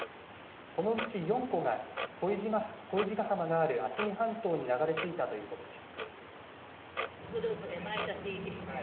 このうち４個が恋路ヶ浜がある渥美半島に流れ着いたということです。